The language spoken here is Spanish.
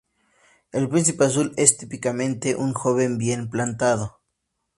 El príncipe azul es típicamente un joven bien plantado.